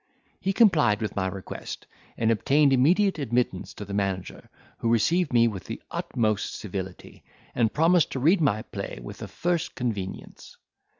He complied with my request, and obtained immediate admittance to the manager, who received me with the utmost civility, and promised to read my play with the first convenience.